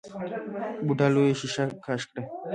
بوډا لويه ښېښه کش کړه.